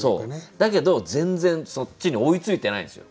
だけど全然そっちに追いついてないんですよ